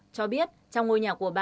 cho biết trong ngôi nhà của bà